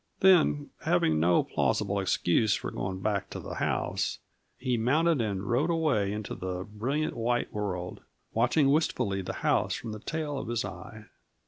Then, having no plausible excuse for going back to the house, he mounted and rode away into the brilliant white world, watching wistfully the house from the tail of his eye.